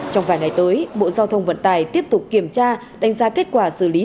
trong vài ngày tới bộ giao thông vận tải tiếp tục kiểm tra đánh giá kết quả xử lý